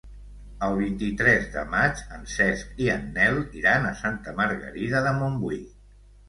El vint-i-tres de maig en Cesc i en Nel iran a Santa Margarida de Montbui.